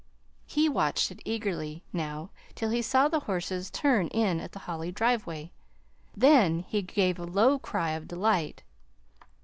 He watched it eagerly now till he saw the horses turn in at the Holly driveway. Then he gave a low cry of delight.